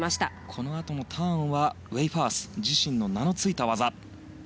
このあとのターンはウェイファース自身の名のついた技です。